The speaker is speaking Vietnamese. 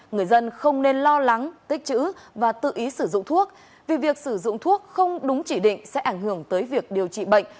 người dân không nên lo lắng tích chữ và tự ý sử dụng thuốc vì việc sử dụng thuốc không đúng chỉ định sẽ ảnh hưởng tới việc điều trị bệnh